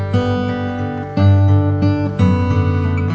terima kasih ya mas